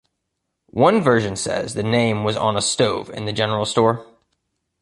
One version says the name was on a stove in the general store.